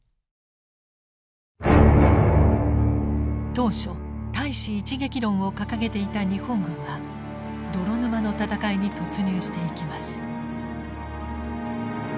当初対支一撃論を掲げていた日本軍は泥沼の戦いに突入していきます。